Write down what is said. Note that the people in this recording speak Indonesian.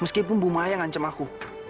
meskipun ibu maya yang ngancam aku